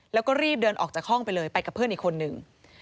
แล้วก็รีบเดินออกจากห้องไปเลยไปกับเพื่อนอีกคนนึง